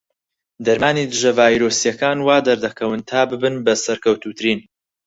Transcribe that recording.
دەرمانی دژە ڤایرۆسیەکان وادەردەکەون تا ببن بە سەرکەوتووترین.